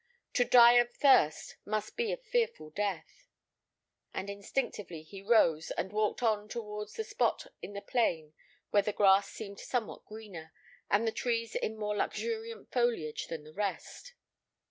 To die of thirst must be a fearful death;" and instinctively he rose, and walked on towards a spot in the plain where the grass seemed somewhat greener, and the trees in more luxuriant foliage than the rest.